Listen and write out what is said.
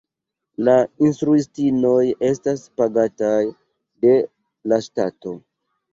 La instruistinoj estas pagataj de la ŝtato.